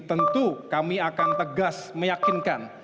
tentu kami akan tegas meyakinkan